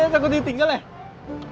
takut ditinggal ya